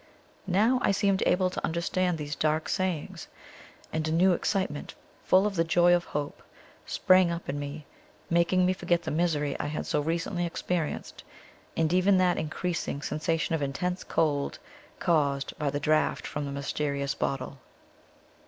Now I seemed able to understand these dark sayings, and a new excitement, full of the joy of hope, sprang up in me, making me forget the misery I had so recently experienced, and even that increasing sensation of intense cold caused by the draught from the mysterious bottle.